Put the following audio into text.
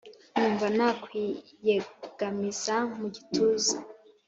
Numva nakwiyegamiza mugituza